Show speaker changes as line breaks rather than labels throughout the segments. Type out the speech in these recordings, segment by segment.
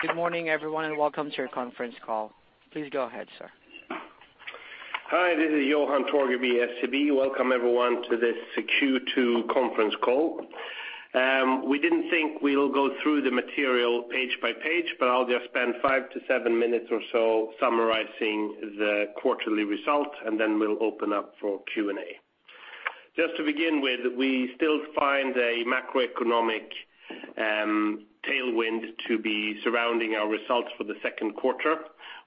Good morning, everyone, and welcome to our conference call. Please go ahead, sir.
Hi, this is Johan Torgeby, SEB. Welcome, everyone, to this Q2 conference call. We didn't think we'll go through the material page by page, but I'll just spend five to seven minutes or so summarizing the quarterly results, and then we'll open up for Q&A. Just to begin with, we still find a macroeconomic tailwind to be surrounding our results for the second quarter.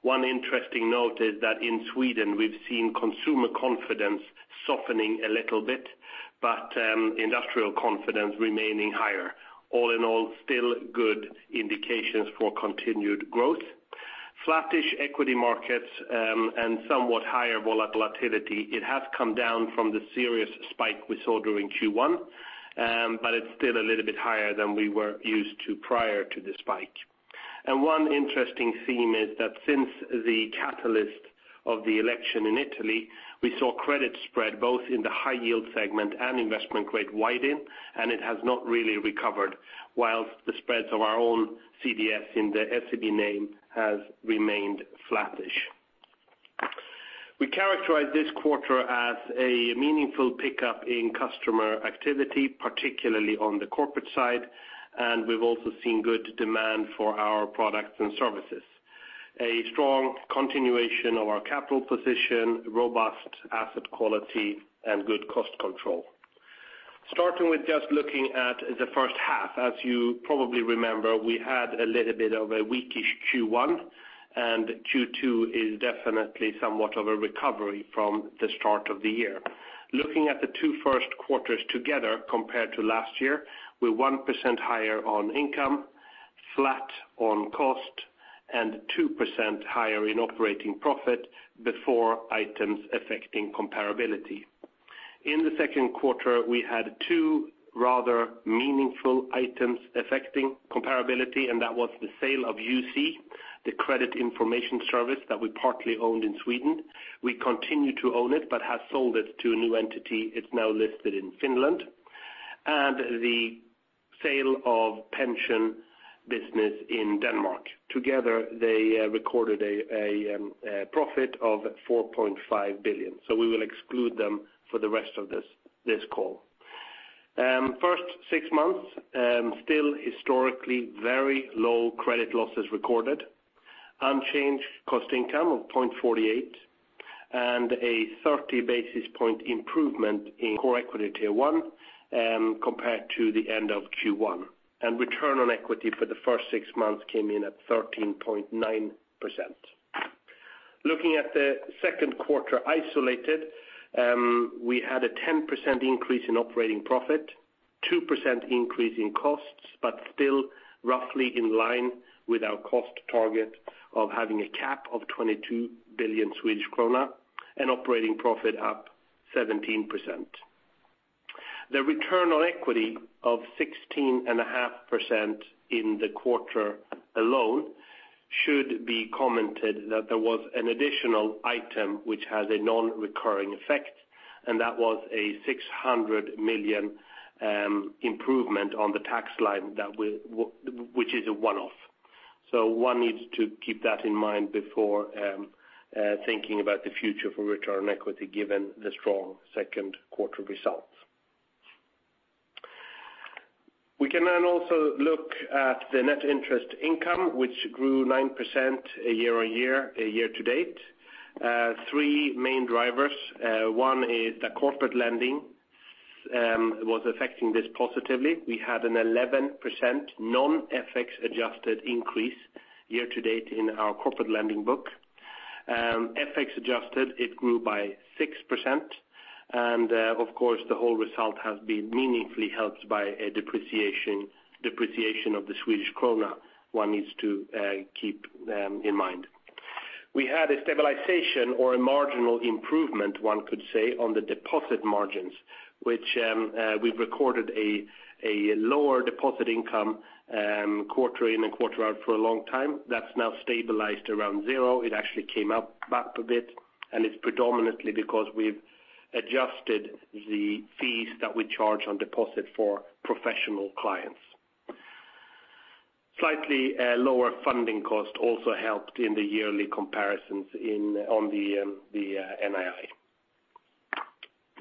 One interesting note is that in Sweden we've seen consumer confidence softening a little bit, but industrial confidence remaining higher. All in all, still good indications for continued growth. Flattish equity markets and somewhat higher volatility. It has come down from the serious spike we saw during Q1, but it's still a little bit higher than we were used to prior to the spike. One interesting theme is that since the catalyst of the election in Italy, we saw credit spread both in the high yield segment and investment grade widen, and it has not really recovered, whilst the spreads of our own CDS in the SEB name has remained flattish. We characterize this quarter as a meaningful pickup in customer activity, particularly on the corporate side, and we've also seen good demand for our products and services. A strong continuation of our capital position, robust asset quality and good cost control. Starting with just looking at the first half. As you probably remember, we had a little bit of a weakish Q1, and Q2 is definitely somewhat of a recovery from the start of the year. Looking at the two first quarters together compared to last year, we're 1% higher on income, flat on cost, and 2% higher in operating profit before items affecting comparability. In the second quarter, we had two rather meaningful items affecting comparability, and that was the sale of UC, the credit information service that we partly owned in Sweden. We continue to own it, but have sold it to a new entity. It's now listed in Finland. The sale of pension business in Denmark. Together, they recorded a profit of 4.5 billion, so we will exclude them for the rest of this call. First six months, still historically very low credit losses recorded. Unchanged cost income of 0.48, and a 30-basis point improvement in core equity Tier 1 compared to the end of Q1. Return on equity for the first six months came in at 13.9%. Looking at the second quarter isolated, we had a 10% increase in operating profit, 2% increase in costs, but still roughly in line with our cost target of having a cap of 22 billion Swedish krona, and operating profit up 17%. The return on equity of 16.5% in the quarter alone should be commented that there was an additional item which has a non-recurring effect, and that was a 600 million improvement on the tax line which is a one-off. One needs to keep that in mind before thinking about the future for return on equity given the strong second quarter results. We can also look at the net interest income, which grew 9% year-to-date. Three main drivers. One is the corporate lending was affecting this positively. We had an 11% non-FX-adjusted increase year-to-date in our corporate lending book. FX-adjusted, it grew by 6%. Of course, the whole result has been meaningfully helped by a depreciation of the Swedish krona one needs to keep in mind. We had a stabilization or a marginal improvement, one could say, on the deposit margins, which we've recorded a lower deposit income quarter in and quarter out for a long time. That's now stabilized around zero. It actually came up a bit, and it's predominantly because we've adjusted the fees that we charge on deposit for professional clients. Slightly lower funding cost also helped in the yearly comparisons on the NII.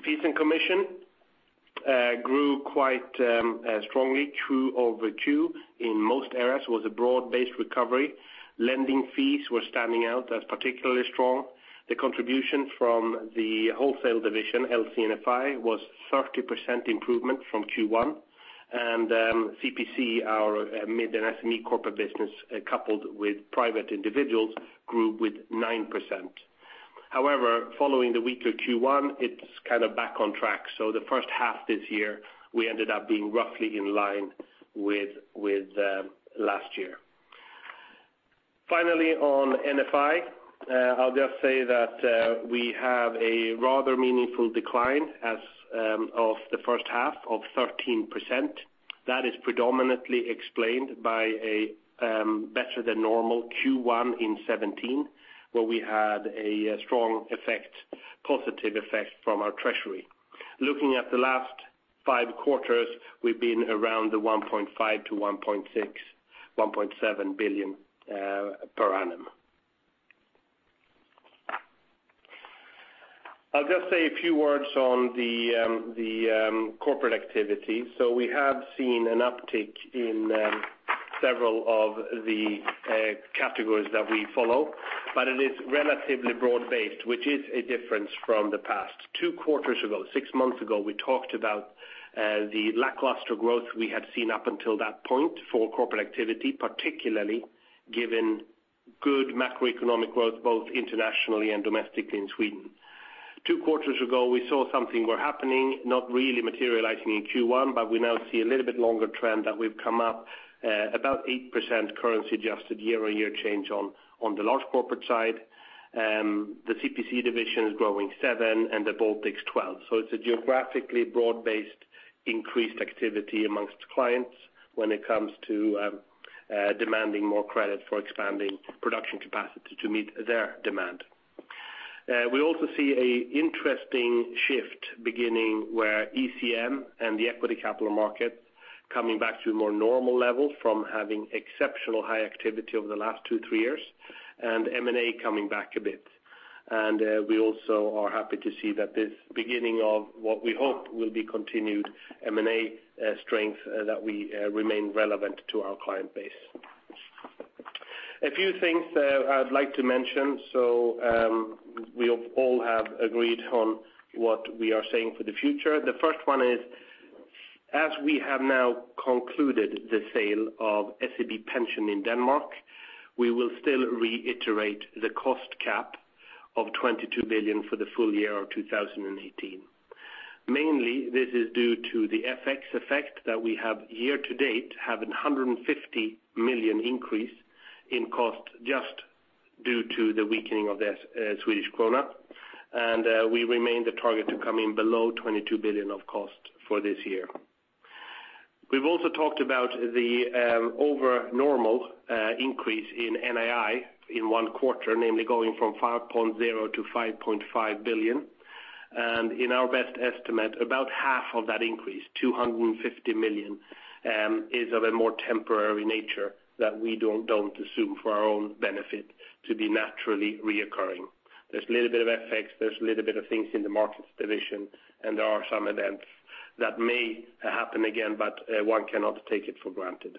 Fees and commission grew quite strongly quarter-over-quarter in most areas. It was a broad-based recovery. Lending fees were standing out as particularly strong. The contribution from the wholesale division, LC&FI, was 30% improvement from Q1. CPC, our mid and SME corporate business coupled with private individuals grew with 9%. However, following the weaker Q1, it's back on track. The first half this year, we ended up being roughly in line with last year. Finally, on NFI, I'll just say that we have a rather meaningful decline as of the first half of 13%. That is predominantly explained by a better than normal Q1 in 2017, where we had a strong positive effect from our treasury. Looking at the last five quarters, we've been around 1.5 billion to 1.7 billion per annum. I'll just say a few words on the corporate activity. We have seen an uptick in several of the categories that we follow, but it is relatively broad-based, which is a difference from the past. Two quarters ago, six months ago, we talked about the lackluster growth we had seen up until that point for corporate activity, particularly given good macroeconomic growth both internationally and domestically in Sweden. Two quarters ago, we saw something was happening, not really materializing in Q1, but we now see a little bit longer trend that we've come up, about 8% currency-adjusted year-on-year change on the large corporate side. The CPC division is growing 7% and the Baltics 12%. It's a geographically broad-based increased activity amongst clients when it comes to demanding more credit for expanding production capacity to meet their demand. We also see an interesting shift beginning where ECM and the equity capital market coming back to more normal levels from having exceptional high activity over the last two, three years, and M&A coming back a bit. We also are happy to see that this beginning of what we hope will be continued M&A strength that we remain relevant to our client base. A few things I'd like to mention. We all have agreed on what we are saying for the future. The first one is, as we have now concluded the sale of SEB Pension in Denmark, we will still reiterate the cost cap of 22 billion for the full year of 2018. Mainly, this is due to the FX effect that we have year to date, have 150 million increase in cost just due to the weakening of the Swedish krona, and we remain the target to come in below 22 billion of cost for this year. We've also talked about the over-normal increase in NII in one quarter, namely going from 5.0 billion-5.5 billion. In our best estimate, about half of that increase, 250 million, is of a more temporary nature that we don't assume for our own benefit to be naturally reoccurring. There's a little bit of FX, there's a little bit of things in the markets division, and there are some events that may happen again, but one cannot take it for granted.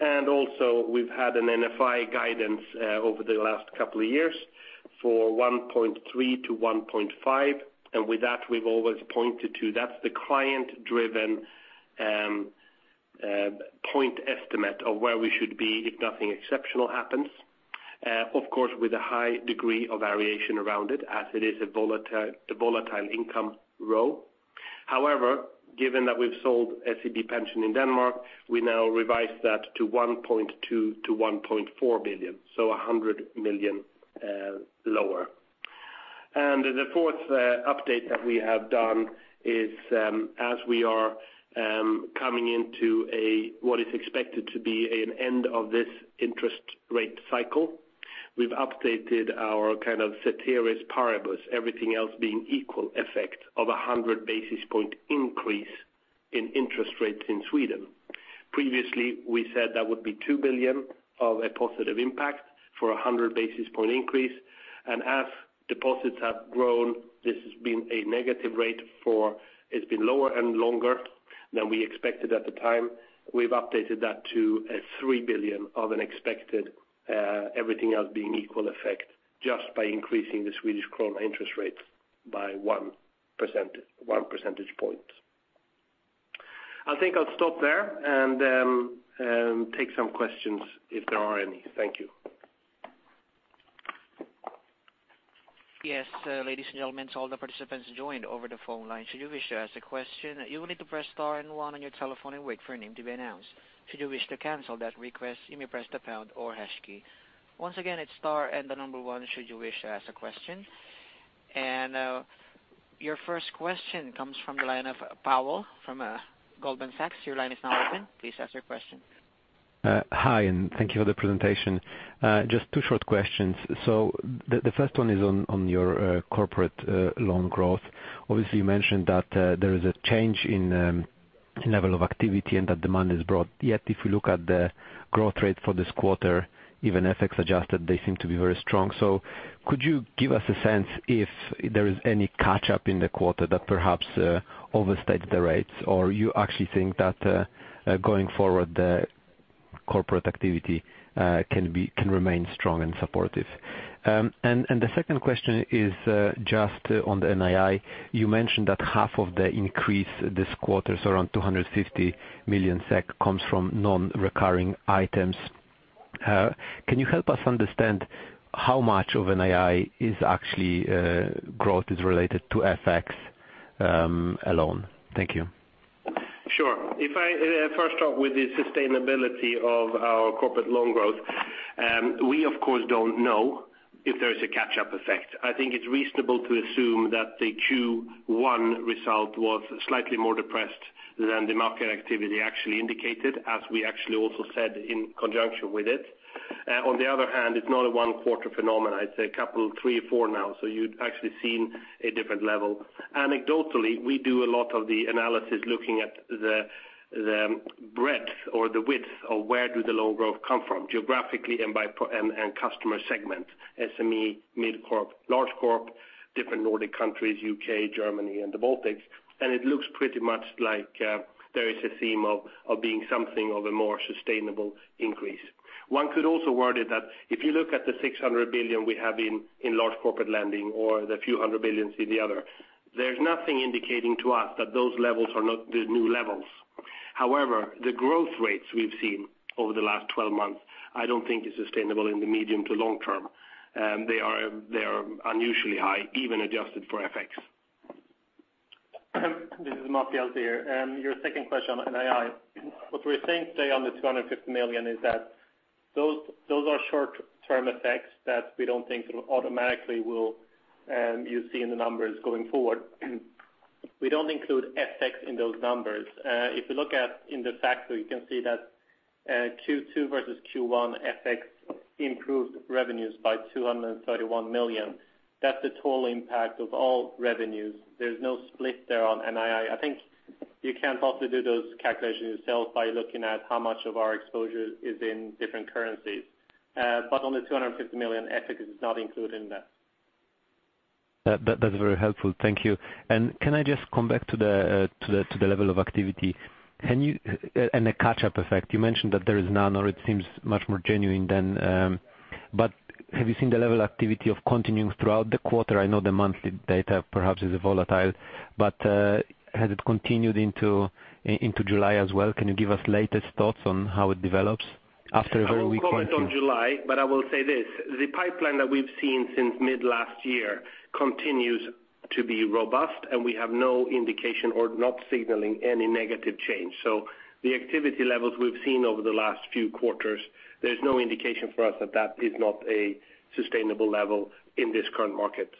Also, we've had an NFI guidance over the last couple of years for 1.3 billion-1.5 billion. With that, we've always pointed to that's the client-driven point estimate of where we should be if nothing exceptional happens. Of course, with a high degree of variation around it as it is a volatile income row. However, given that we've sold SEB Pension in Denmark, we now revise that to 1.2 billion-1.4 billion, so 100 million lower. The fourth update that we have done is, as we are coming into what is expected to be an end of this interest rate cycle, we've updated our kind of ceteris paribus, everything else being equal effect of 100 basis point increase in interest rates in Sweden. Previously, we said that would be 2 billion of a positive impact for 100 basis point increase. As deposits have grown, this has been a negative rate for It's been lower and longer than we expected at the time. We've updated that to a 3 billion of an expected everything else being equal effect just by increasing the Swedish krona interest rates by one percentage point. I think I'll stop there and take some questions if there are any. Thank you.
Yes, ladies and gentlemen, all the participants joined over the phone line. Should you wish to ask a question, you will need to press star and one on your telephone and wait for your name to be announced. Should you wish to cancel that request, you may press the pound or hash key. Once again, it's star and the number one should you wish to ask a question. Your first question comes from the line of Pawel from Goldman Sachs. Your line is now open. Please ask your question.
Hi. Thank you for the presentation. Just two short questions. The first one is on your corporate loan growth. Obviously, you mentioned that there is a change in level of activity and that demand is broad. Yet, if you look at the growth rate for this quarter, even FX adjusted, they seem to be very strong. Could you give us a sense if there is any catch-up in the quarter that perhaps overstates the rates, or you actually think that going forward, the corporate activity can remain strong and supportive? The second question is just on the NII. You mentioned that half of the increase this quarter, so around 250 million SEK, comes from non-recurring items. Can you help us understand how much of NII is actually growth is related to FX alone? Thank you.
Sure. If I first start with the sustainability of our corporate loan growth, we of course don't know if there is a catch-up effect. I think it's reasonable to assume that the Q1 result was slightly more depressed than the market activity actually indicated, as we actually also said in conjunction with it. On the other hand, it's not a one-quarter phenomenon. It's a couple, three or four now. You'd actually seen a different level. Anecdotally, we do a lot of the analysis looking at the breadth or the width of where do the loan growth come from, geographically and customer segment. SME, mid-corp, large corp, different Nordic countries, U.K., Germany, and the Baltics. It looks pretty much like there is a theme of being something of a more sustainable increase. One could also word it that if you look at the 600 billion we have in large corporate lending or the few hundred billions in the other, there's nothing indicating to us that those levels are not the new levels. However, the growth rates we've seen over the last 12 months, I don't think is sustainable in the medium to long term. They are unusually high, even adjusted for FX.
This is Masih here. Your second question on NII. What we're saying today on the 250 million is that those are short-term effects that we don't think automatically you'll see in the numbers going forward. We don't include FX in those numbers. If you look at in the factor, you can see that Q2 versus Q1, FX improved revenues by 231 million. That's the total impact of all revenues. There's no split there on NII. I think you can also do those calculations yourself by looking at how much of our exposure is in different currencies. On the 250 million, FX is not included in that.
That's very helpful. Thank you. Can I just come back to the level of activity? The catch-up effect. You mentioned that there is none or it seems much more genuine then. Have you seen the level of activity of continuing throughout the quarter? I know the monthly data perhaps is volatile, but has it continued into July as well? Can you give us latest thoughts on how it develops after a very weak-
I won't comment on July, but I will say this. The pipeline that we've seen since mid last year continues to be robust, and we have no indication or not signaling any negative change. The activity levels we've seen over the last few quarters, there's no indication for us that that is not a sustainable level in this current market.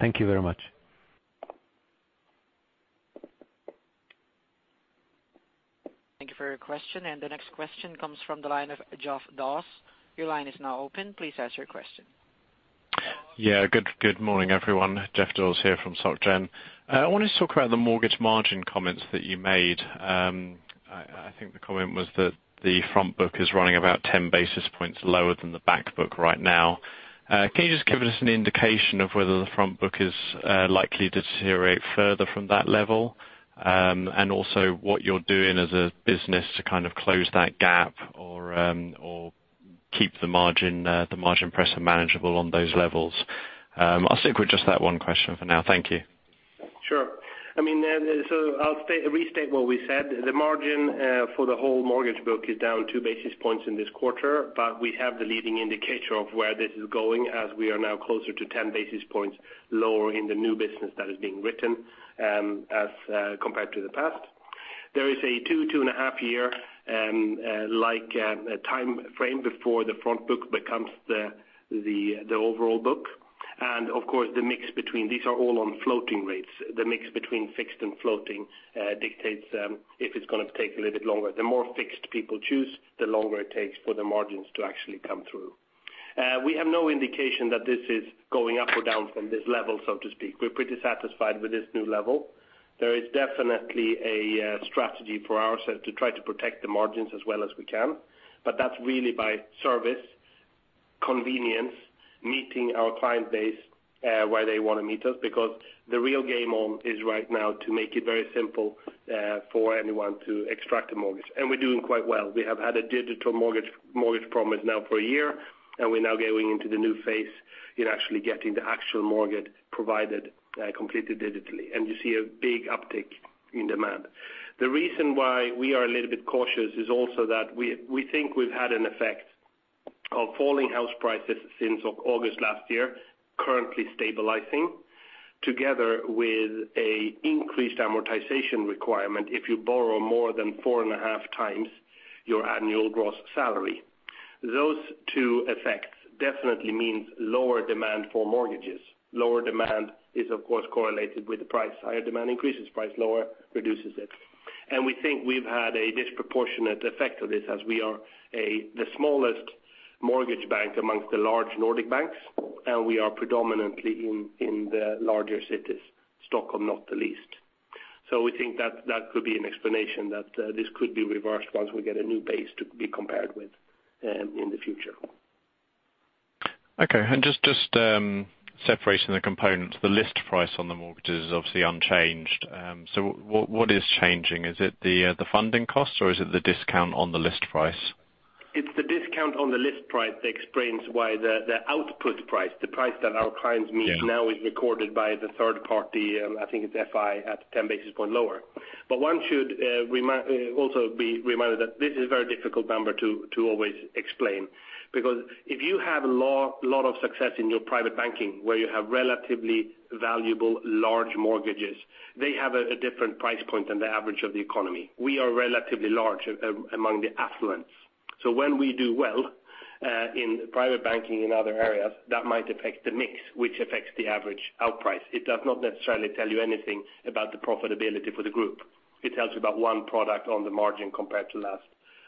Thank you very much.
Thank you for your question. The next question comes from the line of Geoff Dawes. Your line is now open. Please ask your question.
Good morning, everyone. Geoff Dawes here from Société Générale. I wanted to talk about the mortgage margin comments that you made. I think the comment was that the front book is running about 10 basis points lower than the back book right now. Can you just give us an indication of whether the front book is likely to deteriorate further from that level? Also what you're doing as a business to close that gap or keep the margin pressure manageable on those levels. I'll stick with just that one question for now. Thank you.
Sure. I'll restate what we said. The margin for the whole mortgage book is down 2 basis points in this quarter, we have the leading indicator of where this is going as we are now closer to 10 basis points lower in the new business that is being written as compared to the past. There is a 2 and a half year like timeframe before the front book becomes the overall book. Of course, these are all on floating rates. The mix between fixed and floating dictates if it's going to take a little bit longer. The more fixed people choose, the longer it takes for the margins to actually come through. We have no indication that this is going up or down from this level, so to speak. We're pretty satisfied with this new level. There is definitely a strategy for our side to try to protect the margins as well as we can, that's really by service, convenience, meeting our client base where they want to meet us, because the real game on is right now to make it very simple for anyone to extract a mortgage. We're doing quite well. We have had a digital mortgage promise now for a year, we're now going into the new phase in actually getting the actual mortgage provided completely digitally. You see a big uptick in demand. The reason why we are a little bit cautious is also that we think we've had an effect of falling house prices since August last year, currently stabilizing, together with a increased amortization requirement if you borrow more than 4 and a half times your annual gross salary. Those 2 effects definitely means lower demand for mortgages. Lower demand is, of course, correlated with the price. Higher demand increases price, lower reduces it. We think we've had a disproportionate effect of this as we are the smallest mortgage bank amongst the large Nordic banks, we are predominantly in the larger cities. Stockholm, not the least. We think that could be an explanation that this could be reversed once we get a new base to be compared with in the future.
Just separating the components, the list price on the mortgage is obviously unchanged. What is changing? Is it the funding cost or is it the discount on the list price?
It's the discount on the list price that explains why the output price, the price that our clients meet now is recorded by the third party, I think it's FI at 10 basis points lower. One should also be reminded that this is a very difficult number to always explain. If you have a lot of success in your private banking where you have relatively valuable large mortgages, they have a different price point than the average of the economy. We are relatively large among the affluents. When we do well in private banking in other areas, that might affect the mix, which affects the average out price. It does not necessarily tell you anything about the profitability for the group. It tells you about one product on the margin compared to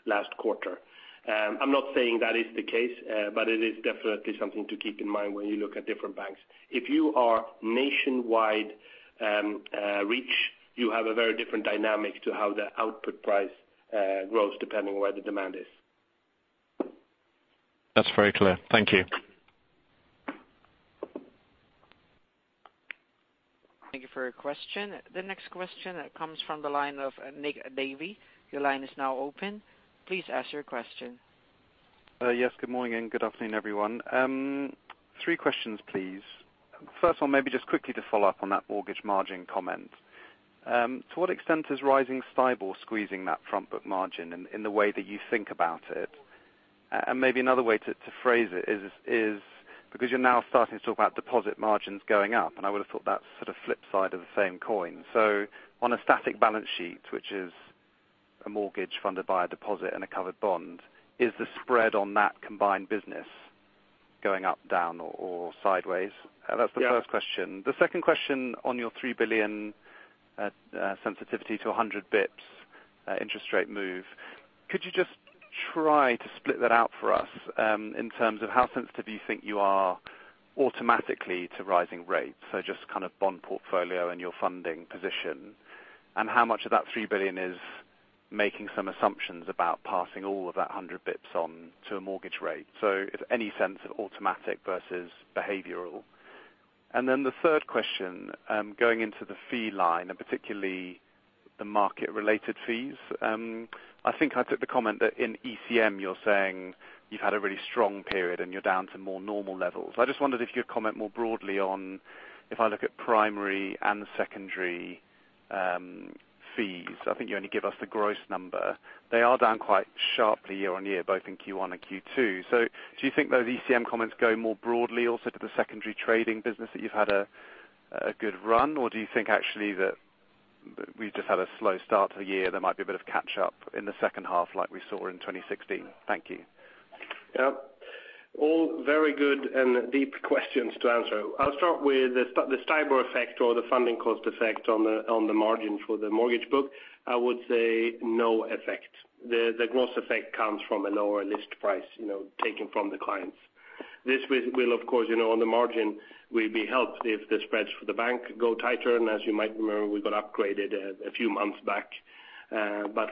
last quarter. I'm not saying that is the case, it is definitely something to keep in mind when you look at different banks. If you are nationwide reach, you have a very different dynamic to how the output price grows depending on where the demand is.
That's very clear. Thank you.
Thank you for your question. The next question comes from the line of Nick Davey. Your line is now open. Please ask your question.
Yes, good morning and good afternoon, everyone. Three questions, please. First one, maybe just quickly to follow up on that mortgage margin comment. To what extent is rising STIBOR squeezing that front book margin in the way that you think about it? Maybe another way to phrase it is because you're now starting to talk about deposit margins going up, and I would have thought that's sort of flip side of the same coin. On a static balance sheet, which is a mortgage funded by a deposit and a covered bond, is the spread on that combined business going up, down, or sideways? That's the first question.
Yes.
The second question on your 3 billion sensitivity to 100 basis points interest rate move, could you just try to split that out for us in terms of how sensitive you think you are automatically to rising rates? Just bond portfolio and your funding position, and how much of that 3 billion is making some assumptions about passing all of that 100 basis points on to a mortgage rate. If any sense of automatic versus behavioral. The third question, going into the fee line and particularly the market-related fees. I think I took the comment that in ECM you're saying you've had a really strong period and you're down to more normal levels. I just wondered if you'd comment more broadly on if I look at primary and secondary fees. I think you only give us the gross number. They are down quite sharply year-over-year, both in Q1 and Q2. Do you think those ECM comments go more broadly also to the secondary trading business that you've had a good run, or do you think actually that we've just had a slow start to the year, there might be a bit of catch up in the second half like we saw in 2016? Thank you.
Yeah. All very good and deep questions to answer. I'll start with the STIBOR effect or the funding cost effect on the margin for the mortgage book. I would say no effect. The gross effect comes from a lower list price taken from the clients. This will, of course, on the margin, will be helped if the spreads for the bank go tighter, and as you might remember, we got upgraded a few months back.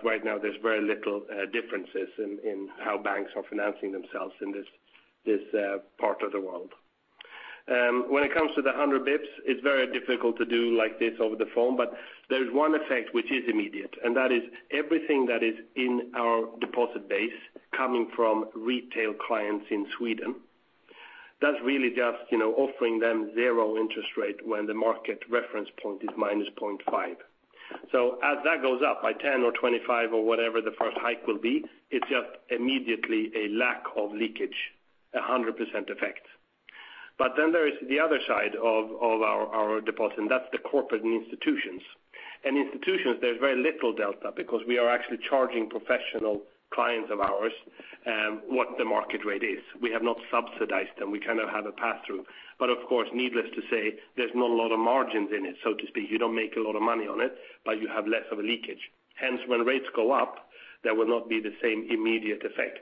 Right now, there's very little differences in how banks are financing themselves in this part of the world. When it comes to the 100 basis points, it's very difficult to do like this over the phone, but there's one effect which is immediate, and that is everything that is in our deposit base coming from retail clients in Sweden. That's really just offering them zero interest rate when the market reference point is minus 0.5. As that goes up by 10 or 25 or whatever the first hike will be, it's just immediately a lack of leakage, 100% effect. There is the other side of our deposit, and that's the corporate and institutions. In institutions there's very little delta because we are actually charging professional clients of ours what the market rate is. We have not subsidized them. We cannot have a pass-through. Of course, needless to say, there's not a lot of margins in it, so to speak. You don't make a lot of money on it, but you have less of a leakage. When rates go up, there will not be the same immediate effect.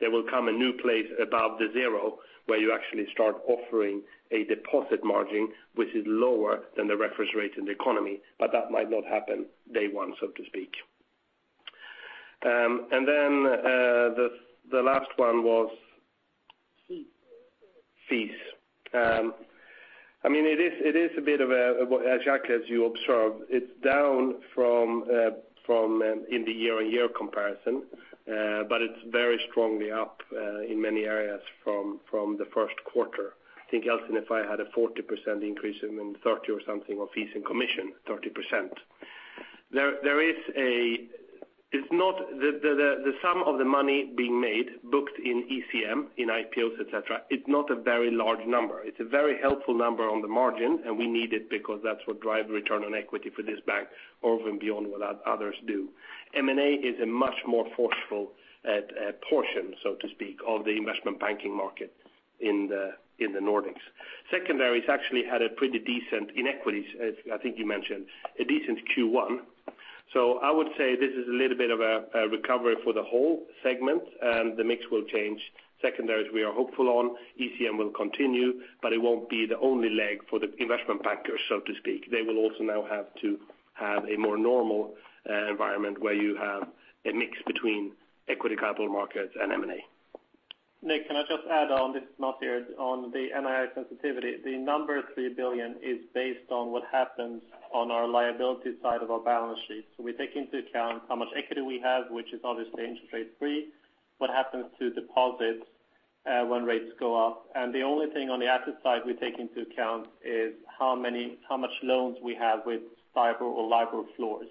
There will come a new place above the zero where you actually start offering a deposit margin which is lower than the reference rate in the economy, but that might not happen day one, so to speak. The last one was fees. Nick, as you observed, it's down in the year-on-year comparison, but it's very strongly up in many areas from the first quarter. I think LC&FI, if I had a 40% increase in 30 or something of fees and commission, 30%. The sum of the money being made booked in ECM, in IPOs, et cetera, it's not a very large number. It's a very helpful number on the margin, and we need it because that's what drives return on equity for this bank over and beyond what others do. M&A is a much more forceful portion, so to speak, of the investment banking market in the Nordics. Secondaries actually had a pretty decent in equities. I think you mentioned a decent Q1. I would say this is a little bit of a recovery for the whole segment, and the mix will change. Secondaries we are hopeful on, ECM will continue, but it won't be the only leg for the investment bankers, so to speak. They will also now have to have a more normal environment where you have a mix between equity capital markets and M&A.
Nick, can I just add on this, not here on the M&A sensitivity. The number 3 billion is based on what happens on our liability side of our balance sheet. We take into account how much equity we have, which is obviously interest rate-free, what happens to deposits when rates go up. The only thing on the asset side we take into account is how much loans we have with STIBOR or LIBOR floors.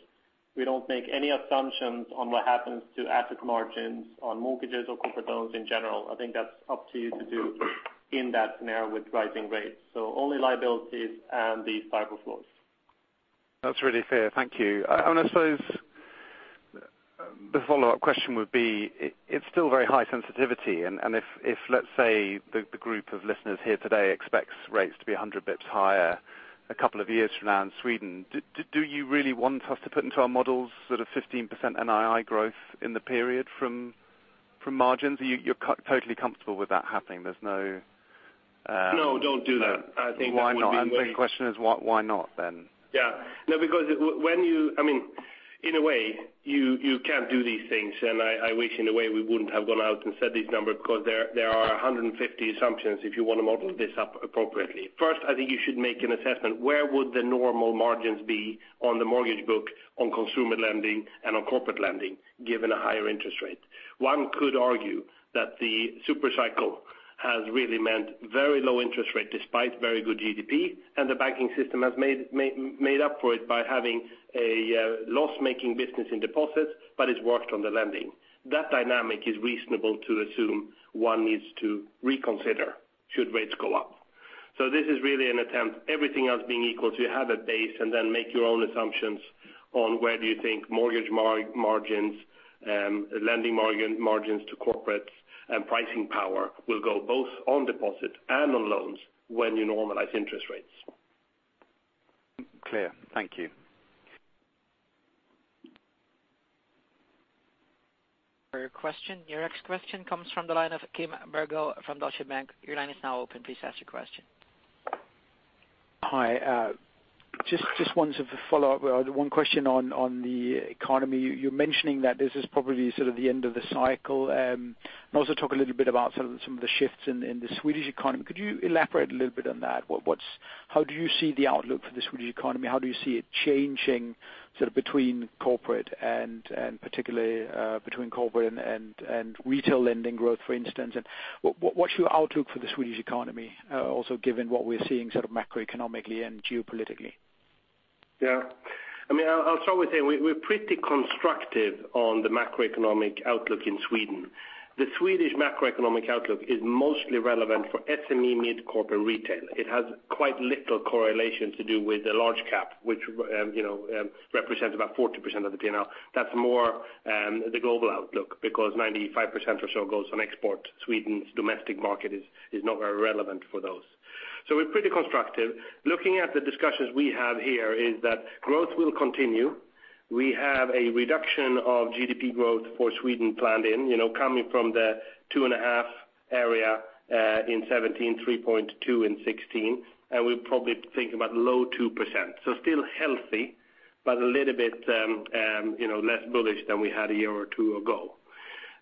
We don't make any assumptions on what happens to asset margins on mortgages or corporate loans in general. I think that's up to you to do in that scenario with rising rates. Only liabilities and the STIBOR floors.
That's really fair. Thank you. I suppose the follow-up question would be, it's still very high sensitivity, and if let's say the group of listeners here today expects rates to be 100 basis points higher a couple of years from now in Sweden, do you really want us to put into our models sort of 15% NII growth in the period from margins? You're totally comfortable with that happening, there's no
No, don't do that. I think that would be
Why not? I think the question is why not then?
No, because in a way, you can't do these things, and I wish in a way we wouldn't have gone out and said these numbers because there are 150 assumptions if you want to model this up appropriately. First, I think you should make an assessment. Where would the normal margins be on the mortgage book, on consumer lending, and on corporate lending, given a higher interest rate? One could argue that the super cycle has really meant very low interest rate despite very good GDP, and the banking system has made up for it by having a loss-making business in deposits, but it's worked on the lending. That dynamic is reasonable to assume one needs to reconsider should rates go up. This is really an attempt, everything else being equal, to have a base and then make your own assumptions on where do you think mortgage margins, lending margins to corporates, and pricing power will go both on deposits and on loans when you normalize interest rates.
Clear. Thank you.
Your next question comes from the line of Kim Bergo from Deutsche Bank. Your line is now open. Please ask your question.
Hi. Just one follow-up. One question on the economy. You're mentioning that this is probably sort of the end of the cycle. Also talk a little bit about some of the shifts in the Swedish economy. Could you elaborate a little bit on that? How do you see the outlook for the Swedish economy? How do you see it changing between corporate and particularly between corporate and retail lending growth, for instance? What's your outlook for the Swedish economy, also given what we're seeing macroeconomically and geopolitically?
Yeah. I'll start with saying we're pretty constructive on the macroeconomic outlook in Sweden. The Swedish macroeconomic outlook is mostly relevant for SME, mid-corporate, retail. It has quite little correlation to do with the large cap, which represents about 40% of the P&L. That's more the global outlook because 95% or so goes on export. Sweden's domestic market is not very relevant for those. We're pretty constructive. Looking at the discussions we have here is that growth will continue. We have a reduction of GDP growth for Sweden planned in, coming from the two and a half area in 2017, 3.2% in 2016, and we probably think about low 2%. Still healthy, but a little bit less bullish than we had a year or two ago.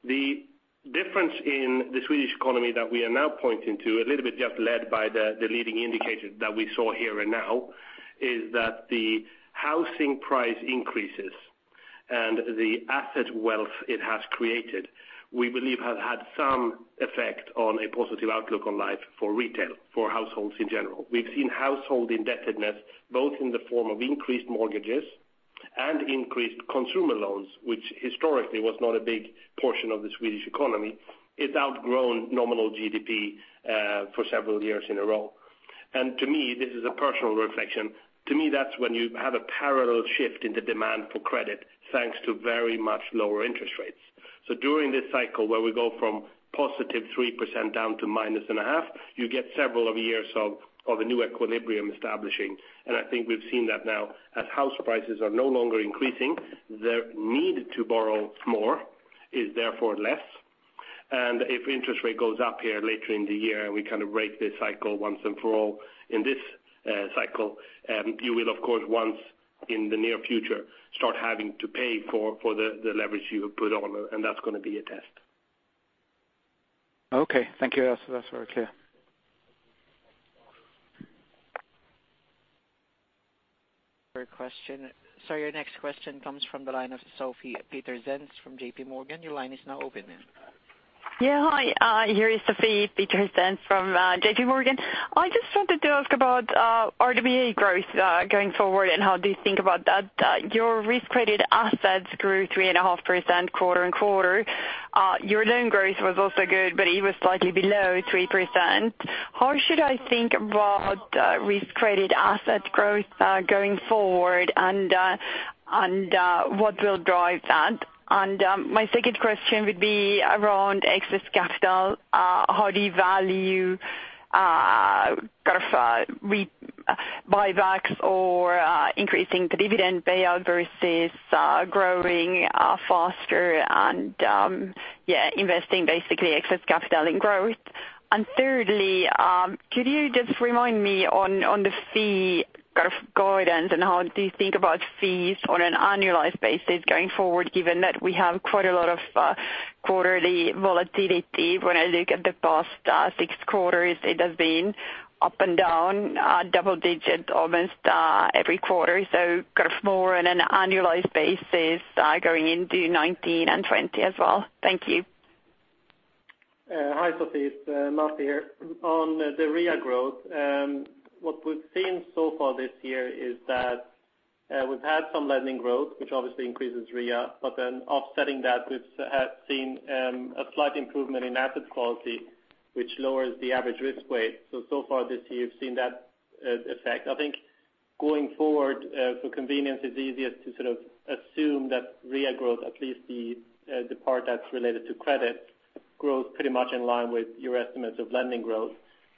The difference in the Swedish economy that we are now pointing to, a little bit just led by the leading indicator that we saw here and now, is that the housing price increases and the asset wealth it has created, we believe have had some effect on a positive outlook on life for retail, for households in general. We've seen household indebtedness, both in the form of increased mortgages and increased consumer loans, which historically was not a big portion of the Swedish economy. It's outgrown nominal GDP for several years in a row. To me, this is a personal reflection. To me, that's when you have a parallel shift in the demand for credit, thanks to very much lower interest rates. During this cycle where we go from positive 3% down to minus a half, you get several years of a new equilibrium establishing. I think we've seen that now as house prices are no longer increasing, the need to borrow more is therefore less. If interest rate goes up here later in the year, and we break this cycle once and for all in this cycle, you will, of course, once in the near future, start having to pay for the leverage you put on, and that's going to be a test.
Okay. Thank you. That's very clear.
Your question. Your next question comes from the line of Sofie Peterzens from JP Morgan. Your line is now open, ma'am.
Yeah. Hi, here is Sofie Peterzens from JP Morgan. I just wanted to ask about RWA growth going forward and how do you think about that? Your risk-weighted assets grew 3.5% quarter-on-quarter. Your loan growth was also good, but it was slightly below 3%. How should I think about risk-weighted assets growth going forward, and what will drive that? My second question would be around excess capital. How do you value buybacks or increasing the dividend payout versus growing faster and investing basically excess capital in growth? Thirdly, could you just remind me on the fee guidance, and how do you think about fees on an annualized basis going forward, given that we have quite a lot of quarterly volatility? When I look at the past six quarters, it has been up and down double-digit almost every quarter. More on an annualized basis going into 2019 and 2020 as well. Thank you.
Hi, Sofie. It's Masih here. On the RWA growth, what we've seen so far this year is that we've had some lending growth, which obviously increases RWA. Offsetting that, we've seen a slight improvement in asset quality. Which lowers the average risk weight. So far this year you've seen that effect. I think going forward for convenience, it's easiest to assume that RWA growth, at least the part that's related to credit growth, pretty much in line with your estimates of lending growth.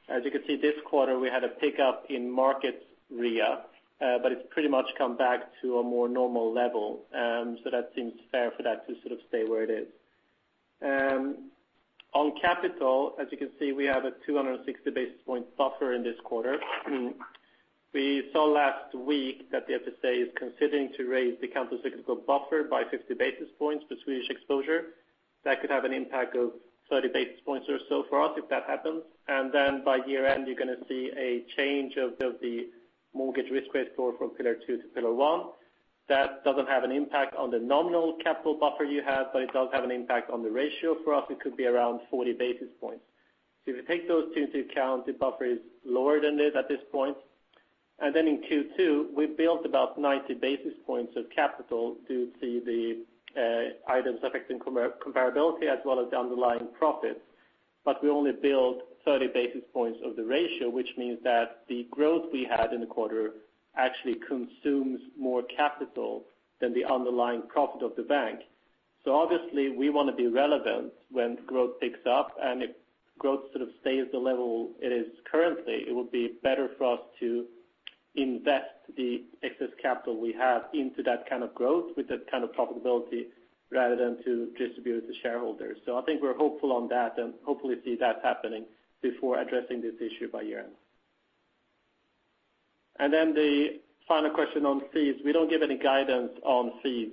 As you can see, this quarter we had a pickup in markets RWA, it's pretty much come back to a more normal level. That seems fair for that to stay where it is. On capital, as you can see, we have a 260 basis point buffer in this quarter. We saw last week that the Finansinspektionen is considering to raise the countercyclical buffer by 50 basis points for Swedish exposure. That could have an impact of 30 basis points or so for us if that happens. By year-end, you're going to see a change of the mortgage risk weight score from Pillar 2 to Pillar 1. That doesn't have an impact on the nominal capital buffer you have, it does have an impact on the ratio for us. It could be around 40 basis points. If you take those two into account, the buffer is lower than it is at this point. In Q2, we built about 90 basis points of capital due to the items affecting comparability as well as the underlying profits. We only build 30 basis points of the ratio, which means that the growth we had in the quarter actually consumes more capital than the underlying profit of the bank. Obviously we want to be relevant when growth picks up, if growth stays the level it is currently, it would be better for us to invest the excess capital we have into that kind of growth with that kind of profitability rather than to distribute it to shareholders. I think we're hopeful on that and hopefully see that happening before addressing this issue by year-end. The final question on fees. We don't give any guidance on fees.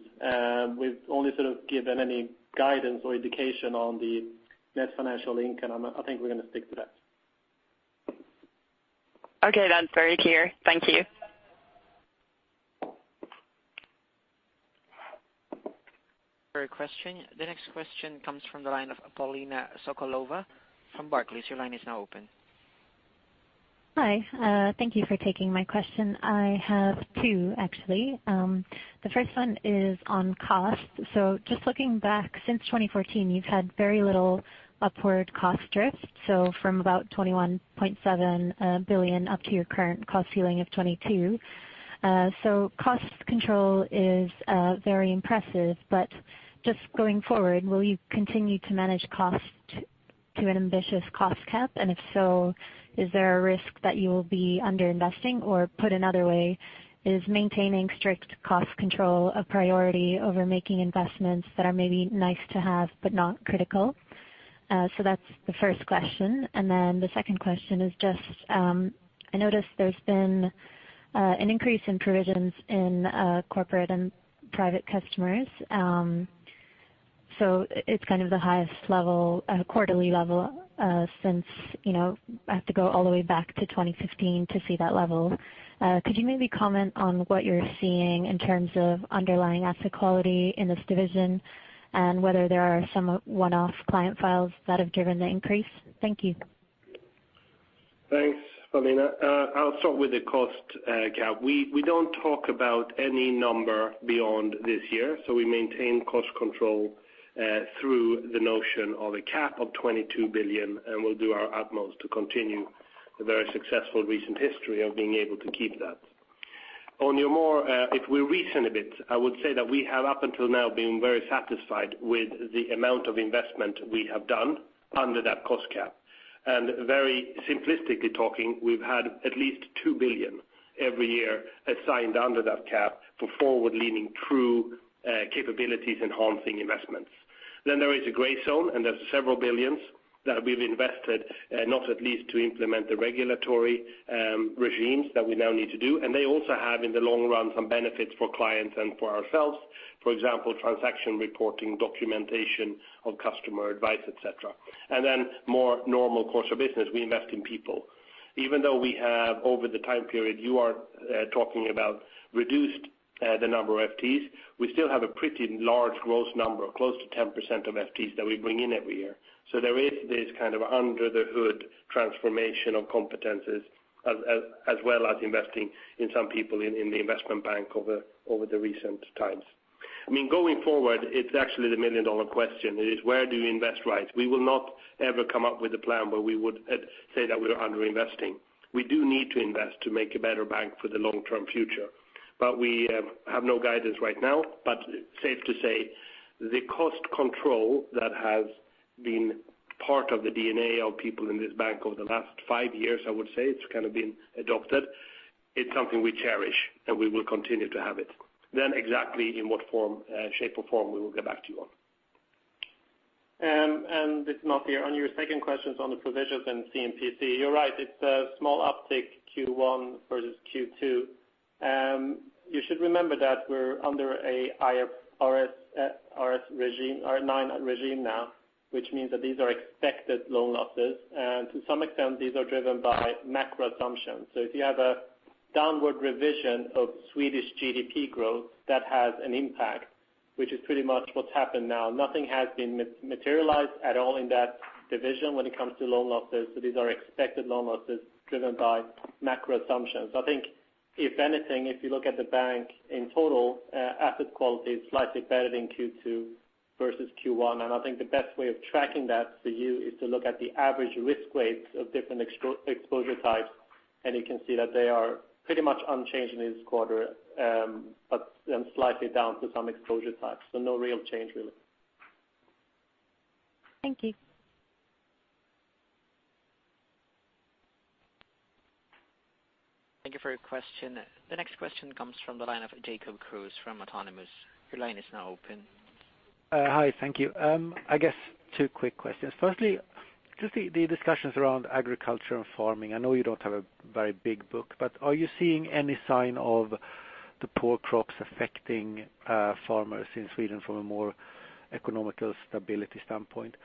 We've only given any guidance or indication on the net financial income, and I think we're going to stick to that.
Okay, that's very clear. Thank you.
Great question. The next question comes from the line of Polina Sokolova from Barclays. Your line is now open.
Hi. Thank you for taking my question. I have two, actually. The first one is on cost. Just looking back, since 2014, you've had very little upward cost drift. From about 21.7 billion up to your current cost ceiling of 22. Cost control is very impressive, but just going forward, will you continue to manage cost to an ambitious cost cap? If so, is there a risk that you will be under-investing? Put another way, is maintaining strict cost control a priority over making investments that are maybe nice to have but not critical? That's the first question. The second question is just, I noticed there's been an increase in provisions in Corporate & Private Customers. It's the highest quarterly level since, I have to go all the way back to 2015 to see that level. Could you maybe comment on what you're seeing in terms of underlying asset quality in this division and whether there are some one-off client files that have driven the increase? Thank you.
Thanks, Polina. I'll start with the cost cap. We don't talk about any number beyond this year, we maintain cost control through the notion of a cap of 22 billion, we'll do our utmost to continue the very successful recent history of being able to keep that. If we reason a bit, I would say that we have up until now been very satisfied with the amount of investment we have done under that cost cap. Very simplistically talking, we've had at least 2 billion every year assigned under that cap for forward-leaning true capabilities-enhancing investments. There is a gray zone, there's several billions that we've invested, not at least to implement the regulatory regimes that we now need to do. They also have, in the long run, some benefits for clients and for ourselves. For example, transaction reporting, documentation of customer advice, et cetera. More normal course of business. We invest in people. Even though we have over the time period you are talking about reduced the number of FTEs, we still have a pretty large growth number, close to 10% of FTEs that we bring in every year. There is this under-the-hood transformation of competencies as well as investing in some people in the investment bank over the recent times. Going forward, it's actually the million-dollar question. It is where do you invest right? We will not ever come up with a plan where we would say that we're under-investing. We do need to invest to make a better bank for the long-term future. We have no guidance right now, safe to say, the cost control that has been part of the DNA of people in this bank over the last five years, I would say it's been adopted. It's something we cherish, and we will continue to have it. Exactly in what shape or form we will get back to you on. This is Masih here. On your second questions on the provisions and C&PC, you're right. It's a small uptick Q1 versus Q2. You should remember that we're under a higher IFRS regime, 9 regime now, which means that these are expected loan losses. To some extent, these are driven by macro assumptions. If you have a downward revision of Swedish GDP growth, that has an impact, which is pretty much what's happened now. Nothing has been materialized at all in that division when it comes to loan losses. These are expected loan losses driven by macro assumptions. If anything, if you look at the bank in total, asset quality is slightly better in Q2 versus Q1. The best way of tracking that for you is to look at the average risk weights of different exposure types, and you can see that they are pretty much unchanged in this quarter, but slightly down to some exposure types. No real change, really.
Thank you.
Thank you for your question. The next question comes from the line of Jacob Kruse from Autonomous. Your line is now open.
Hi, thank you. I guess two quick questions. Firstly, just the discussions around agriculture and farming. I know you don't have a very big book, are you seeing any sign of the poor crops affecting farmers in Sweden from a more economic stability standpoint?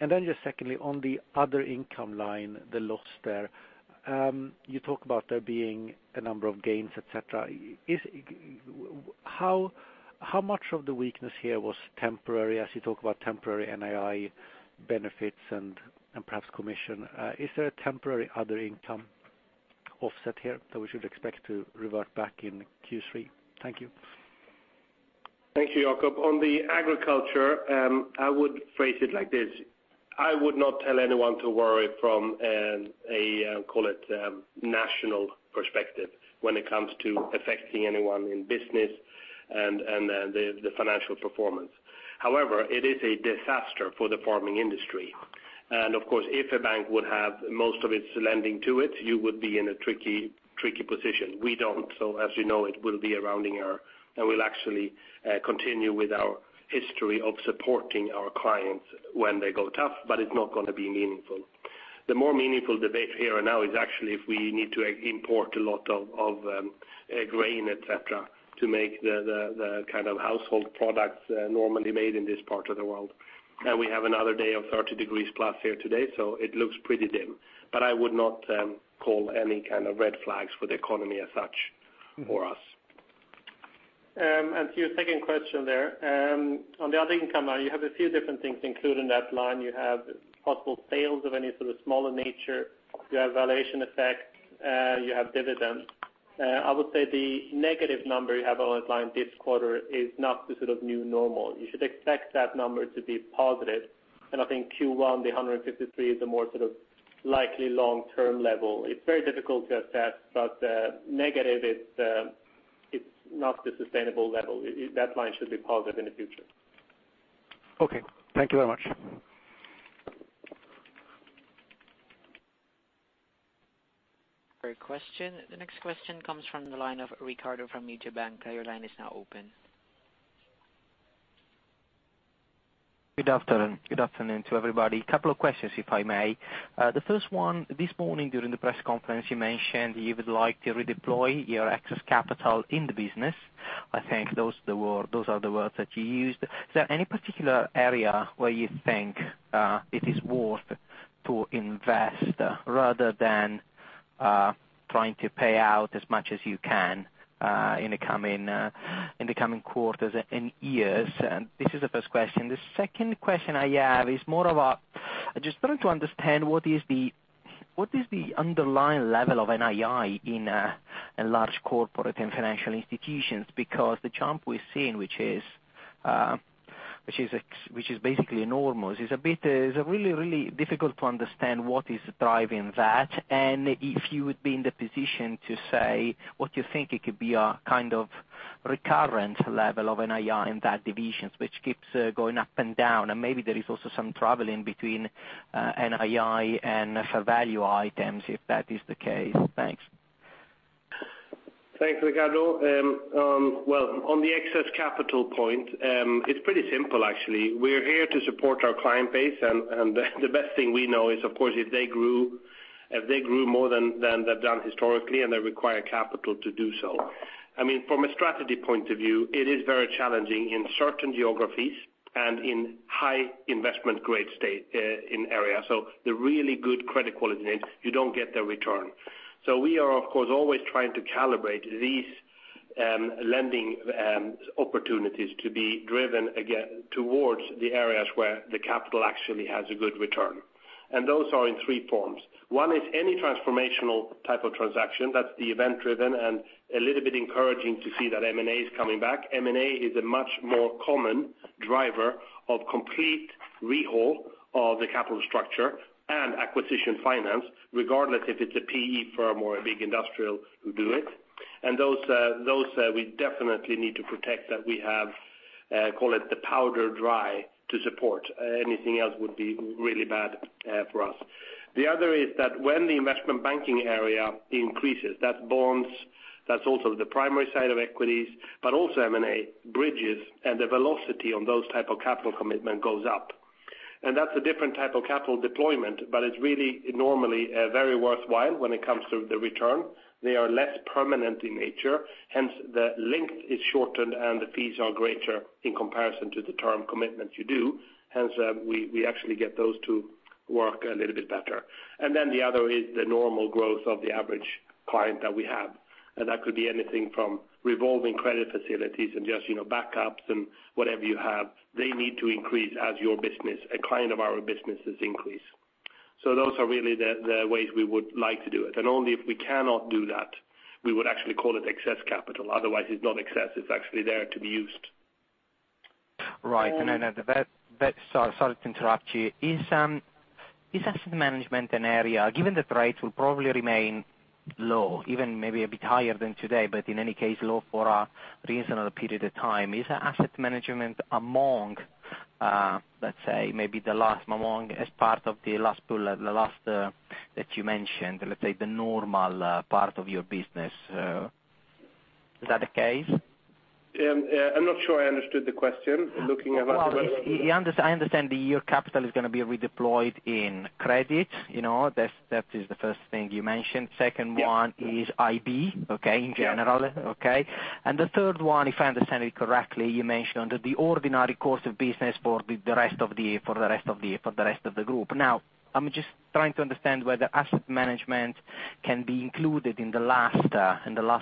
Just secondly, on the other income line, the loss there. You talk about there being a number of gains, et cetera. How much of the weakness here was temporary as you talk about temporary NII benefits and perhaps commission? Is there a temporary other income offset here that we should expect to revert back in Q3? Thank you.
Thank you, Jacob. On the agriculture, I would phrase it like this. I would not tell anyone to worry from a, call it, national perspective when it comes to affecting anyone in business and the financial performance. However, it is a disaster for the farming industry. Of course, if a bank would have most of its lending to it, you would be in a tricky position. We don't. As you know, it will be a rounding error, and we'll actually continue with our history of supporting our clients when they go tough, but it's not going to be meaningful. The more meaningful debate here now is actually if we need to import a lot of grain, et cetera, to make the kind of household products normally made in this part of the world. We have another day of 30 degrees plus here today, so it looks pretty dim. I would not call any kind of red flags for the economy as such for us.
To your second question there. On the other income line, you have a few different things included in that line. You have possible sales of any sort of smaller nature, you have valuation effects, you have dividends. I would say the negative number you have on that line this quarter is not the sort of new normal. You should expect that number to be positive. I think Q1, the 153 is a more likely long-term level. It's very difficult to assess, but negative it's not the sustainable level. That line should be positive in the future.
Okay. Thank you very much.
Great question. The next question comes from the line of Riccardo from Mediobanca. Your line is now open.
Good afternoon. Good afternoon to everybody. Couple of questions, if I may. The first one, this morning during the press conference, you mentioned you would like to redeploy your excess capital in the business. I think those are the words that you used. Is there any particular area where you think it is worth to invest rather than trying to pay out as much as you can in the coming quarters and years? This is the first question. The second question I have is more of, I'm just trying to understand what is the underlying level of NII in a Large Corporates & Financial Institutions? Because the jump we've seen, which is basically enormous, is really difficult to understand what is driving that. If you would be in the position to say what you think it could be a kind of recurrent level of NII in that division, which keeps going up and down. Maybe there is also some traveling between NII and fair value items, if that is the case. Thanks.
Thanks, Riccardo. Well, on the excess capital point, it's pretty simple actually. We're here to support our client base. The best thing we know is of course, if they grew more than they've done historically, and they require capital to do so. From a strategy point of view, it is very challenging in certain geographies and in high investment-grade state in areas. The really good credit quality names, you don't get the return. We are, of course, always trying to calibrate these lending opportunities to be driven towards the areas where the capital actually has a good return. Those are in three forms. One is any transformational type of transaction, that's the event-driven, and a little bit encouraging to see that M&A is coming back. M&A is a much more common driver of complete rehaul of the capital structure and acquisition finance, regardless if it's a PE firm or a big industrial who do it. Those we definitely need to protect that we have, call it the powder dry to support. Anything else would be really bad for us. The other is that when the investment banking area increases, that's bonds, that's also the primary side of equities, but also M&A bridges and the velocity on those type of capital commitment goes up. That's a different type of capital deployment, but it's really normally very worthwhile when it comes to the return. They are less permanent in nature, hence the length is shortened and the fees are greater in comparison to the term commitment you do, hence we actually get those two work a little bit better. The other is the normal growth of the average client that we have. That could be anything from revolving credit facilities and just backups and whatever you have. They need to increase as your business, a client of our businesses increase. Those are really the ways we would like to do it. Only if we cannot do that, we would actually call it excess capital. Otherwise, it's not excess. It's actually there to be used.
Right. Sorry to interrupt you. Is asset management an area, given that rates will probably remain low, even maybe a bit higher than today, but in any case, low for a reasonable period of time, is asset management among, let's say maybe the last among, as part of the last bullet that you mentioned, let's say the normal part of your business. Is that the case?
I'm not sure I understood the question.
I understand that your capital is going to be redeployed in credit. That is the first thing you mentioned.
Yes
is IB.
Yes
in general. Okay. The third one, if I understand it correctly, you mentioned the ordinary course of business for the rest of the group. Now, I'm just trying to understand whether asset management can be included in the last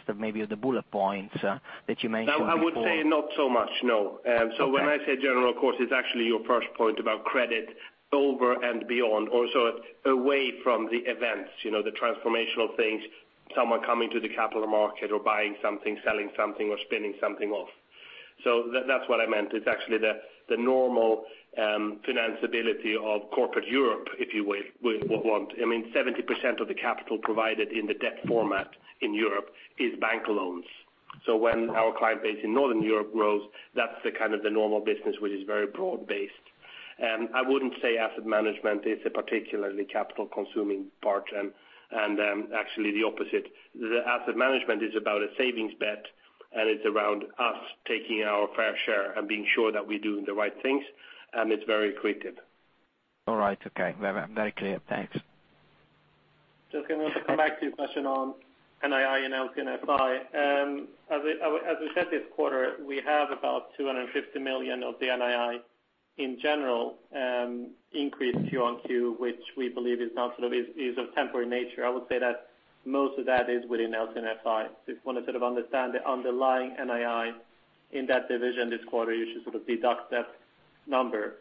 of maybe the bullet points that you mentioned before.
I would say not so much, no.
Okay.
When I say general course, it's actually your first point about credit over and beyond. Also away from the events, the transformational things, someone coming to the capital market or buying something, selling something, or spinning something off. That's what I meant. It's actually the normal finance ability of corporate Europe, if you want. I mean, 70% of the capital provided in the debt format in Europe is bank loans. When our client base in Northern Europe grows, that's the normal business, which is very broad-based. I wouldn't say asset management is a particularly capital-consuming part, and actually the opposite. The asset management is about a savings bet, and it's around us taking our fair share and being sure that we do the right things, and it's very accretive.
All right. Okay. Very clear. Thanks.
Riccardo, let me come back to your question on NII and LC&FI. As we said this quarter, we have about 250 million of the NII in general increase Q-on-Q, which we believe is of temporary nature. I would say that most of that is within LC&FI. If you want to understand the underlying NII in that division this quarter, you should deduct that number.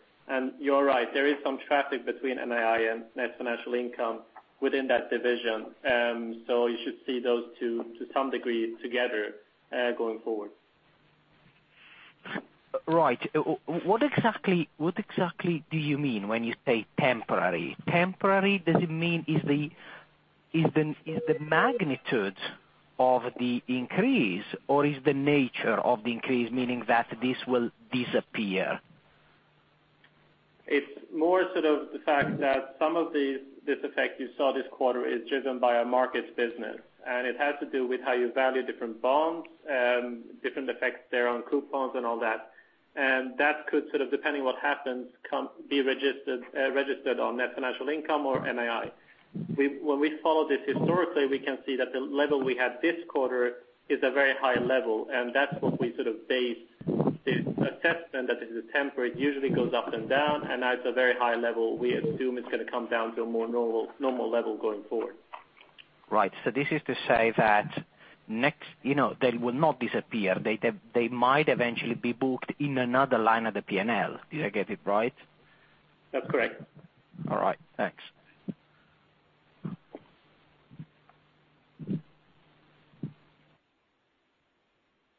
You're right, there is some traffic between NII and net financial income within that division. You should see those two to some degree together going forward.
Right. What exactly do you mean when you say temporary? Temporary, does it mean is the magnitude of the increase or is the nature of the increase, meaning that this will disappear?
It's more the fact that some of this effect you saw this quarter is driven by a markets business, and it has to do with how you value different bonds, different effects there on coupons and all that. That could, depending what happens, be registered on net financial income or NII. When we follow this historically, we can see that the level we had this quarter is a very high level, and that's what we based this assessment that this is temporary. It usually goes up and down, and at a very high level, we assume it's going to come down to a more normal level going forward.
Right. This is to say that they will not disappear. They might eventually be booked in another line of the P&L. Did I get it right?
That's correct.
All right. Thanks.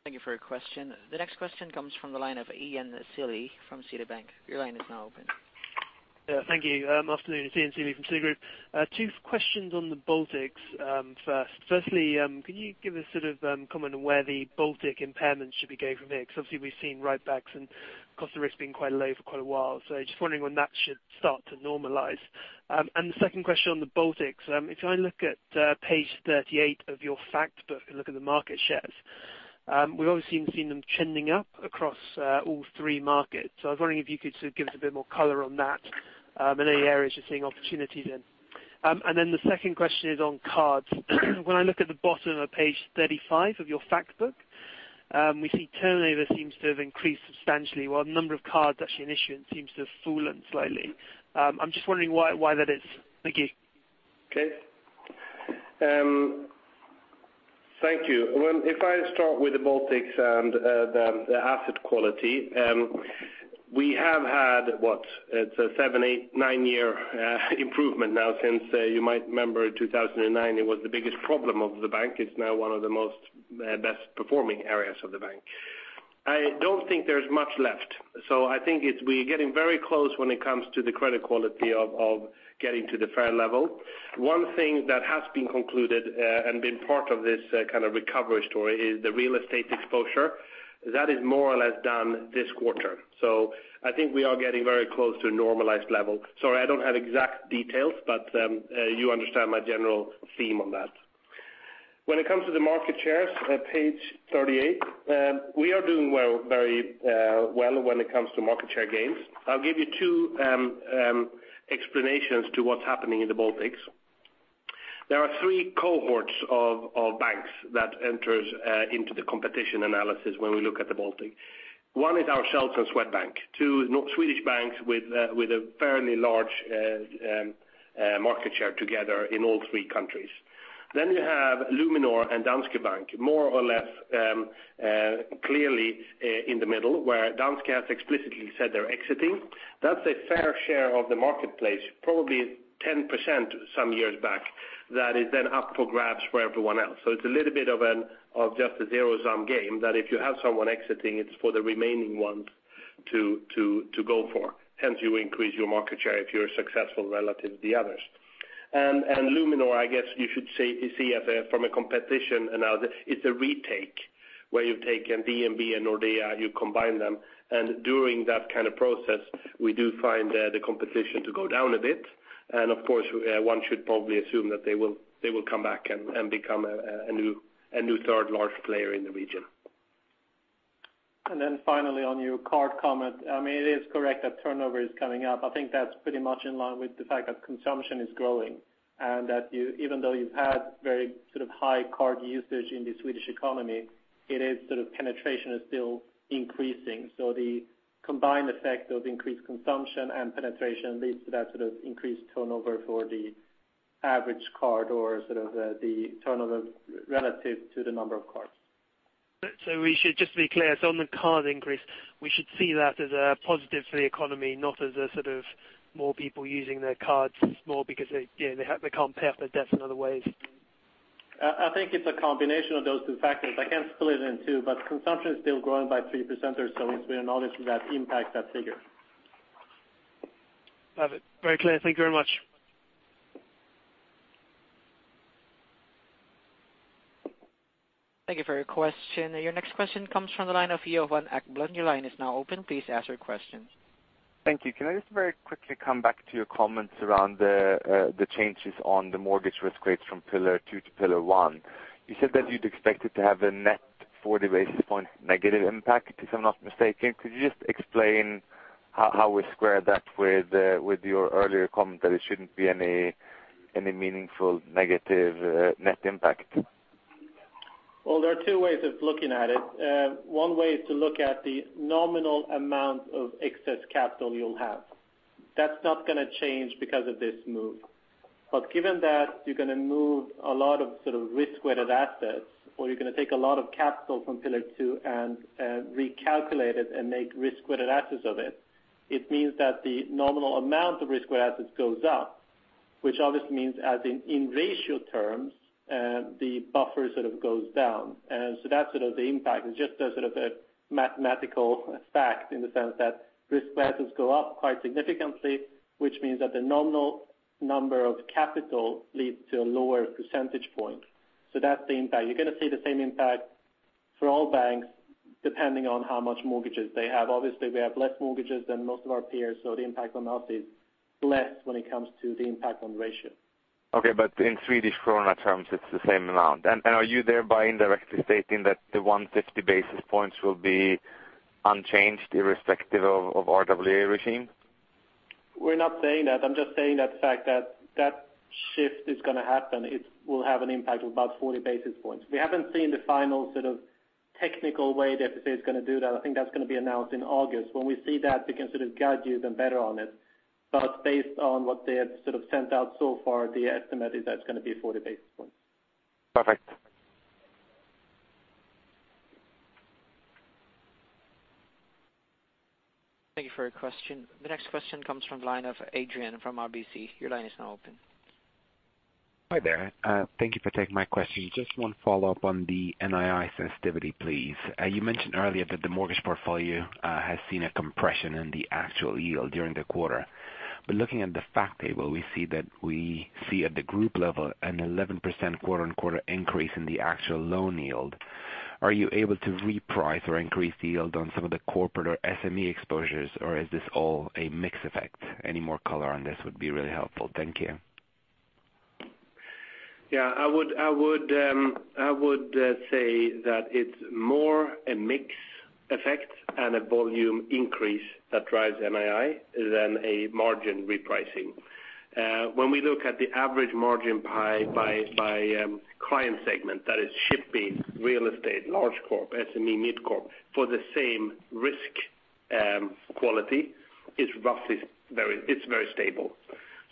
Thank you for your question. The next question comes from the line of Ian Sealey from Citigroup. Your line is now open.
Thank you. Afternoon, it's Ian Sealey from Citigroup. Two questions on the Baltics first. Can you give a comment on where the Baltic impairments should be going from here? Because obviously we've seen write-backs and cost of risk being quite low for quite a while. Just wondering when that should start to normalize. The second question on the Baltics, if I look at page 38 of your fact book and look at the market shares, we've obviously seen them trending up across all three markets. I was wondering if you could give us a bit more color on that, and any areas you're seeing opportunities in. The second question is on cards. When I look at the bottom of page 35 of your fact book, we see turnover seems to have increased substantially while the number of cards actually in issuance seems to have fallen slightly. I'm just wondering why that is. Thank you.
Okay. Thank you. If I start with the Baltics and the asset quality, we have had, what? It's a seven, eight, nine-year improvement now since you might remember in 2009, it was the biggest problem of the bank. It's now one of the most best-performing areas of the bank. I don't think there's much left. I think we're getting very close when it comes to the credit quality of getting to the fair level. One thing that has been concluded and been part of this recovery story is the real estate exposure. That is more or less done this quarter. I think we are getting very close to a normalized level. Sorry, I don't have exact details, but you understand my general theme on that. When it comes to the market shares at page 38, we are doing very well when it comes to market share gains. I'll give you two explanations to what's happening in the Baltics. There are three cohorts of banks that enters into the competition analysis when we look at the Baltic. One is our Swedbank. Two, Swedish banks with a fairly large market share together in all three countries.
You have Luminor and Danske Bank more or less clearly in the middle, where Danske has explicitly said they're exiting. That's a fair share of the marketplace, probably 10% some years back. That is then up for grabs for everyone else. It's a little bit of just a zero-sum game, that if you have someone exiting, it's for the remaining ones to go for. Hence, you increase your market share if you're successful relative to the others. Luminor, I guess you should see from a competition analysis, it's a retake where you've taken DNB Bank and Nordea Bank, you combine them, and during that kind of process, we do find the competition to go down a bit. Of course, one should probably assume that they will come back and become a new third large player in the region. Finally on your card comment. It is correct that turnover is coming up. I think that's pretty much in line with the fact that consumption is growing, and that even though you've had very high card usage in the Swedish economy, penetration is still increasing. The combined effect of increased consumption and penetration leads to that increased turnover for the average card or the turnover relative to the number of cards.
We should just be clear. On the card increase, we should see that as a positive for the economy, not as a more people using their cards more because they can't pay off their debts in other ways.
I think it's a combination of those two factors. I can split it in two, consumption is still growing by 3% or so in Sweden. Obviously, that impacts that figure.
Love it. Very clear. Thank you very much.
Thank you for your question. Your next question comes from the line of Johan Ekblom. Your line is now open. Please ask your question.
Thank you. Can I just very quickly come back to your comments around the changes on the mortgage risk weights from Pillar 2 to Pillar 1? You said that you'd expect it to have a net 40 basis point negative impact, if I'm not mistaken. Could you just explain how we square that with your earlier comment that it shouldn't be any meaningful negative net impact?
Well, there are two ways of looking at it. One way is to look at the nominal amount of excess capital you'll have. That's not going to change because of this move. Given that you're going to move a lot of risk-weighted assets, or you're going to take a lot of capital from Pillar 2 and recalculate it and make risk-weighted assets of it means that the nominal amount of risk-weighted assets goes up, which obviously means as in ratio terms, the buffer goes down. That's the impact. It's just a mathematical fact in the sense that risk-weighted assets go up quite significantly, which means that the nominal number of capital leads to a lower percentage point. That's the impact. You're going to see the same impact for all banks, depending on how much mortgages they have. Obviously, we have less mortgages than most of our peers, the impact on us is less when it comes to the impact on ratio.
In SEK terms, it's the same amount. Are you thereby indirectly stating that the 150 basis points will be unchanged irrespective of RWA regime?
We're not saying that. I'm just saying that the fact that that shift is going to happen, it will have an impact of about 40 basis points. We haven't seen the final technical way the Finansinspektionen is going to do that. I think that's going to be announced in August. When we see that, we can guide you then better on it. Based on what they have sent out so far, the estimate is that it's going to be 40 basis points.
Perfect.
Thank you for your question. The next question comes from the line of Adrian from RBC. Your line is now open.
Hi there. Thank you for taking my question. Just one follow-up on the NII sensitivity, please. You mentioned earlier that the mortgage portfolio has seen a compression in the actual yield during the quarter. Looking at the fact table, we see at the group level an 11% quarter-on-quarter increase in the actual loan yield. Are you able to reprice or increase the yield on some of the corporate or SME exposures, or is this all a mix effect? Any more color on this would be really helpful. Thank you.
Yeah, I would say that it's more a mix effect and a volume increase that drives NII than a margin repricing. When we look at the average margin pie by client segment, that is shipping, real estate, large corp, SME, mid-corp for the same risk quality, it's very stable.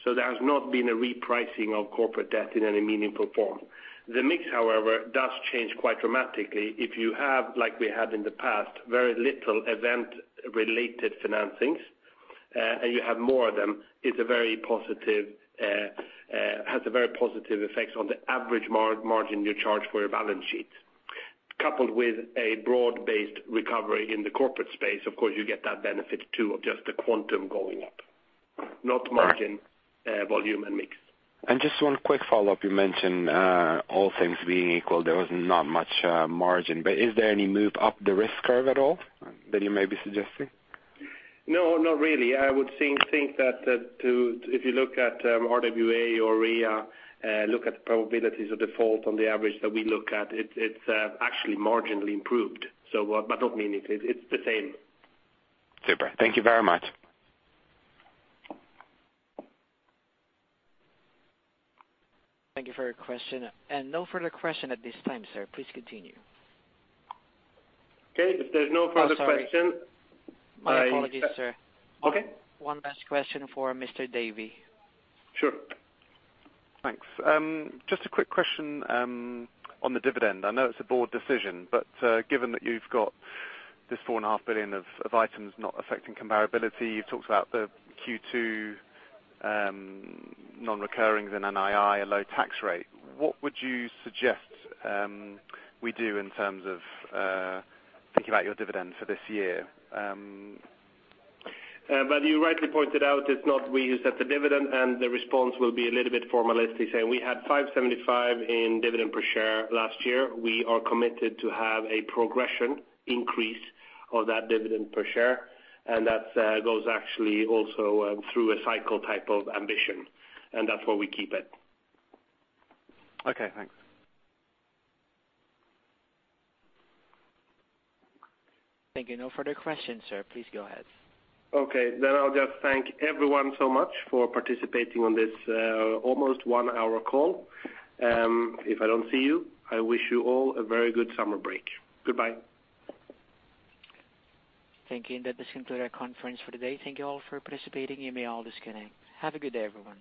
There has not been a repricing of corporate debt in any meaningful form. The mix, however, does change quite dramatically if you have, like we had in the past, very little event-related financings, and you have more of them. It has a very positive effect on the average margin you charge for your balance sheet. Coupled with a broad-based recovery in the corporate space, of course, you get that benefit too of just the quantum going up. Not margin, volume, and mix.
Just one quick follow-up. You mentioned all things being equal, there was not much margin, but is there any move up the risk curve at all that you may be suggesting?
No, not really. I would think that if you look at RWA or RWA, look at the probabilities of default on the average that we look at, it's actually marginally improved. By domain, it's the same.
Super. Thank you very much.
Thank you for your question. No further question at this time, sir. Please continue.
Okay. If there's no further question-
I'm sorry. My apologies, sir. Okay. One last question for Nick Davey.
Sure.
Thanks. Just a quick question on the dividend. I know it's a board decision, but given that you've got this 4.5 billion of items not affecting comparability, you've talked about the Q2 non-recurrings in NII, a low tax rate. What would you suggest we do in terms of thinking about your dividend for this year?
Well, you rightly pointed out it's not we who set the dividend, and the response will be a little bit formalistic saying we had 575 in dividend per share last year. We are committed to have a progression increase of that dividend per share, and that goes actually also through a cycle type of ambition, and that's where we keep it.
Okay, thanks.
Thank you. No further questions, sir. Please go ahead.
Okay. I'll just thank everyone so much for participating on this almost one-hour call. If I don't see you, I wish you all a very good summer break. Goodbye.
Thank you. That does conclude our conference for today. Thank you all for participating. You may all disconnect. Have a good day, everyone.